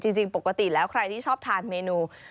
จริงปกติแล้วใครที่ชอบทานเมนู